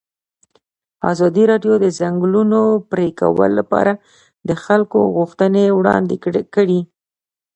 ازادي راډیو د د ځنګلونو پرېکول لپاره د خلکو غوښتنې وړاندې کړي.